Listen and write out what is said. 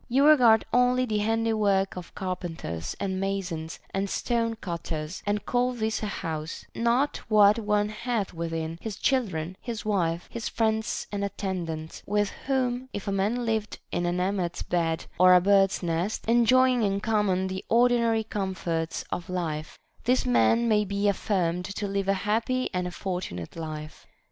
You regard only the handiwork of carpenters and masons and stone cutters, and call this a house ; not what one hath within, his children, his wife, his friends and attendants, with whom if a man lived in an emmet's bed or a bird's nest, enjoying in common the ordinary comforts of life, this man may be affirmed to live a happy and a fortunate life.